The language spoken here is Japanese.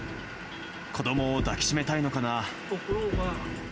子どもを抱き締めたいのかな。